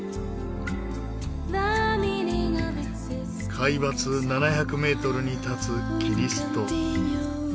海抜７００メートルに立つキリスト。